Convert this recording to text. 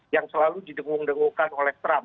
itu didengung dengungkan oleh trump